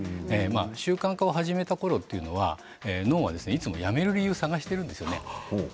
習慣化を始めたころというのは脳はいつも、やめる理由を探しているんです。